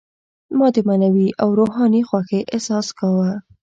ما د معنوي او روحاني خوښۍ احساس کاوه.